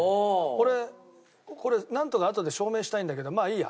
俺これなんとかあとで証明したいんだけどまあいいや。